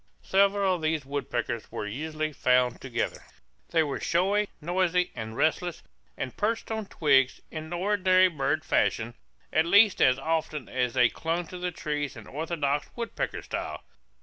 Several of these woodpeckers were usually found together. They were showy, noisy, and restless, and perched on twigs, in ordinary bird fashion, at least as often as they clung to the trunks in orthodox woodpecker style.